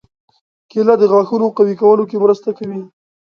کېله د غاښونو قوي کولو کې مرسته کوي.